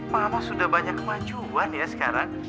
mama sudah banyak kemajuan ya sekarang